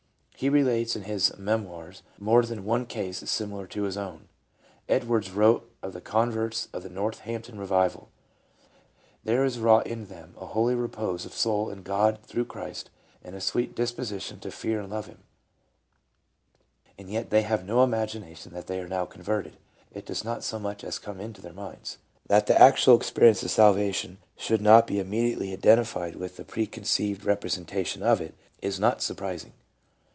He relates in his "Memoirs" more than one case similar to his own. Edwards wrote of the converts of the Northampton Revival :'' There is wrought in them a holy repose of soul in God through Christ, and a sweet dis position to fear and love Him, .... and yet they have no imagination that they are now converted ; it does not so much as come into their minds." That the actual experience of "salvation" should not be immediately identified with the PSYCHOLOGY OF RELIGIOUS PHENOMENA. 351 preconceived representation of it, is not surprising.